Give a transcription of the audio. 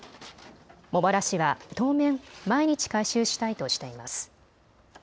茂原市は当面、毎日、回収したいとしています。